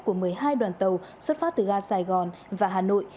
của một mươi hai đoàn tàu xuất phát từ ga sài gòn và hà nội